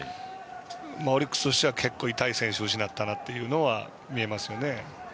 オリックスとしては結構痛い選手を失ったなというのは見えますよね。